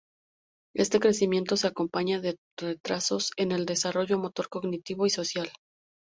Este crecimiento se acompaña de retrasos en el desarrollo motor, cognitivo y social.